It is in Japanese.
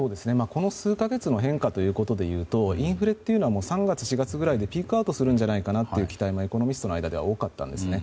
この数か月の変化ということでいうとインフレというのは３月、４月ぐらいでピークアウトするんじゃないかという期待がエコノミストの間では多かったんですね。